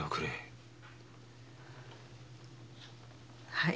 はい。